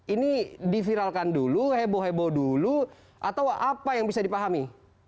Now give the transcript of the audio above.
ini diviralkan dulu heboh heboh dulu atau apa yang bisa dipahami